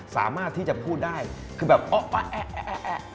สามารถที่จะพูดได้คือแบบอ๊ะแอ๊ะแอ๊ะแอ๊ะ